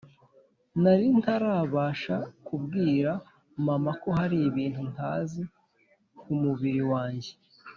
nari ntarabasha kubwira mama ko hari ibintu ntazi kumubiri wanjye!